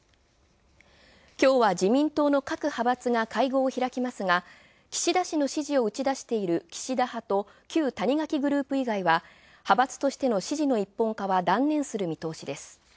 今日は自民党の各派閥が会合を開きますが、岸田氏の支持を打ち出している岸田派と旧谷垣グループ以外は派閥としての支持の一本化は断念する見通しです。